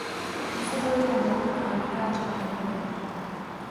Působil jako hlavní kronikář a badatel.